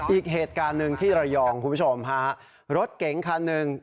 อีกเหตุการณ์หนึ่งที่ระยองคุณผู้ชมฮะรถเก๋งคันหนึ่ง